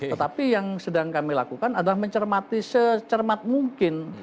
tetapi yang sedang kami lakukan adalah mencermati secermat mungkin